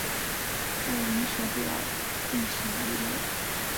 瘰鳞蛇主要进食鱼类。